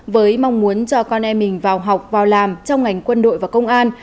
với mong muốn cho con em mình vào học vào làm trong ngành quân đội và công an